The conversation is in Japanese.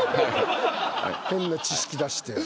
変な知識出して。